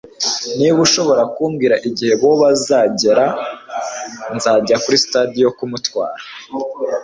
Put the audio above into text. Niba ushobora kumbwira igihe Bobo azagera nzajya kuri sitasiyo ndamutwara